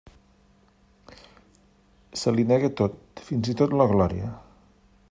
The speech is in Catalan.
Se li nega tot, fins i tot la glòria.